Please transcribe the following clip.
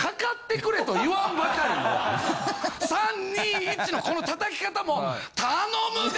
「３２１」のこの叩き方も頼むで！